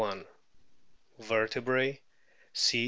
Vertebrae: C.